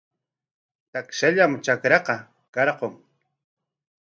Takshallam trakraqa karqun.